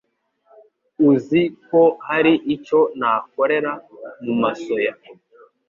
Uzi ko hari icyo nakorera mumasoya